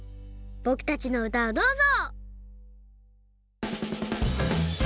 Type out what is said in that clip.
ぼくたちのうたをどうぞ！